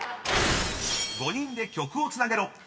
［５人で曲をつなげろ］